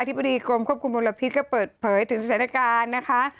ธิบดีกรมควบคุมมลพิษก็เปิดเผยถึงสถานการณ์นะคะ